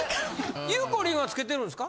ゆうこりんはつけてるんですか？